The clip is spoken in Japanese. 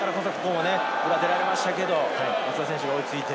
裏に出られましたけれど、松田選手が追いついて。